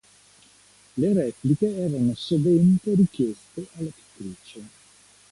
Le repliche erano sovente richieste alla pittrice.